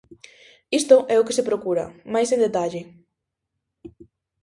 Isto é o que se procura, máis en detalle: